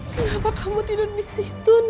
kenapa kamu tidurn disitu nak